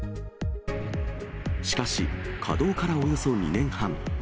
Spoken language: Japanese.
しかし稼働からおよそ２年半。